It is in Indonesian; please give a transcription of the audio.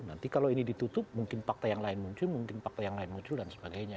nanti kalau ini ditutup mungkin fakta yang lain muncul mungkin fakta yang lain muncul dan sebagainya